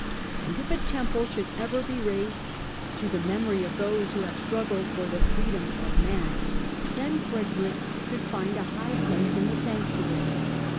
And if a temple should ever be raised to the memory of those who have struggled for the freedom of man, then Frederick should find a high place in the sanctuary.